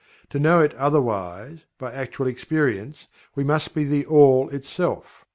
To know it otherwise, but actual experience, we must be THE ALL itself.